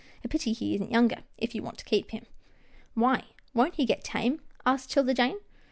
A pity he isn't younger, if you want to keep him/' "Why, won't he get tame?" asked 'Tilda Jane.